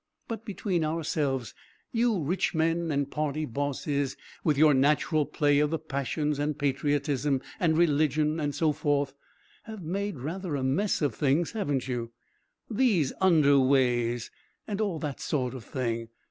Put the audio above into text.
But, between ourselves, you rich men and party bosses, with your natural play of the passions and patriotism and religion and so forth, have made rather a mess of things; haven't you? These Underways! And all that sort of thing.